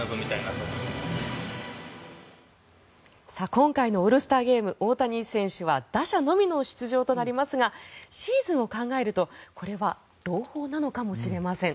今回のオールスターゲーム、大谷選手は打者のみの出場となりますがシーズンを考えるとこれは朗報なのかもしれません。